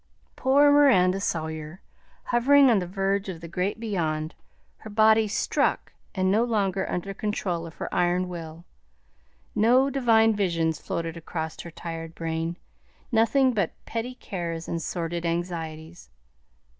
Poor Miranda Sawyer! Hovering on the verge of the great beyond, her body "struck" and no longer under control of her iron will, no divine visions floated across her tired brain; nothing but petty cares and sordid anxieties.